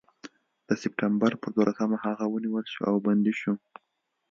د سپټمبر پر دولسمه هغه ونیول شو او بندي شو.